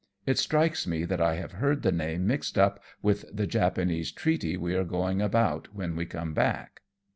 It strikes me that I have heard the name mixed up with the Japanese treaty we are going about when we come back."